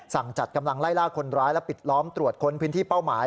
สั่งจัดกำลังไล่ล่าคนร้ายและปิดล้อมตรวจค้นพื้นที่เป้าหมาย